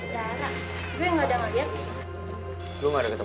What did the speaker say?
dara gue yang udah ngeliat